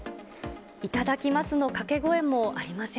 いただきますの掛け声もありません。